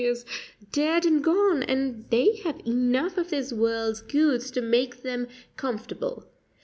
is dead and gone, and they have enough of this world's goods to make them comfortable.